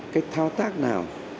cái thao tác nào